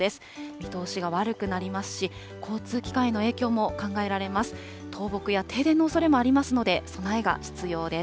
見通しが悪くなりますし、交通機関への影響も考えられます。